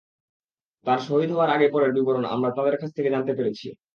তাঁর শহীদ হওয়ার আগে-পরের বিবরণ আমরা তাঁদের কাছ থেকে জানতে পেরেছি।